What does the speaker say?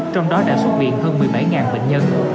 trong đó đã xuất viện hơn một mươi bảy bệnh nhân